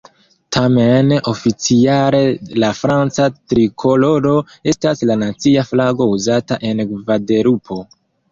Tamen, oficiale la franca trikoloro estas la nacia flago uzata en Gvadelupo.